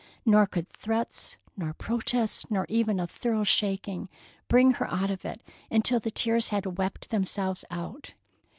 Nor could threats nor protests, nor even a thorough shaking, bring her out of it until the tears had wept themselves out.